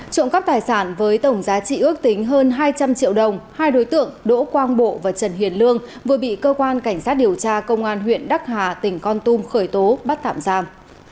trộm cắp tài sản với tổng giá trị ước tính hơn hai trăm linh triệu đồng hai đối tượng đỗ quang bộ và trần hiền lương vừa bị cơ quan cảnh sát điều tra công an huyện đắc hà tỉnh con tum khởi tố bắt tạm giam